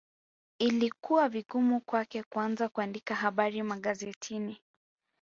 Ilikuwa vigumu kwake kuanza kuandika habari magazetini